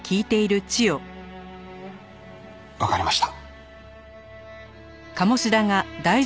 わかりました。